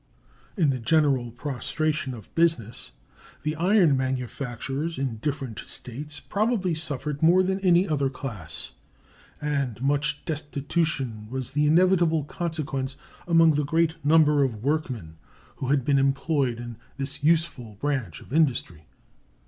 In the general prostration of business the iron manufacturers in different States probably suffered more than any other class, and much destitution was the inevitable consequence among the great number of workmen who had been employed in this useful branch of industry.